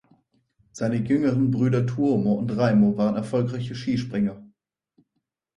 Seine jüngeren Brüder Tuomo und Raimo waren erfolgreiche Skispringer.